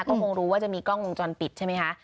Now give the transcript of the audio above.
ก็คงรู้ว่าจะมีกล้องวงจรปิดใช่ไหมคะ